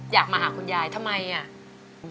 อยากมาหาคุณยายทำไมอ่ะ